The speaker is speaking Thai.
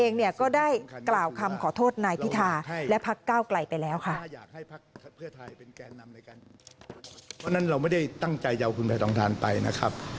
จริงผมไม่ควรจะพูดนะครับ